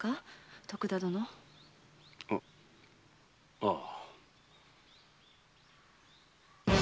ああ。